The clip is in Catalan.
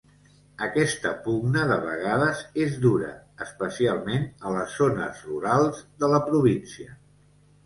Aquesta pugna de vegades és dura, especialment a les zones rurals de la província.